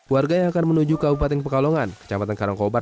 warga yang akan menuju kabupaten pekalongan kecamatan karangkobar